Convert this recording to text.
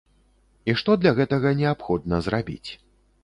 І што для гэтага неабходна зрабіць.